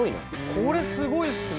これすごいですね！